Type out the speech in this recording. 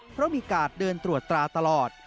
เพราะมีกาดเดินตรวจตราตลอด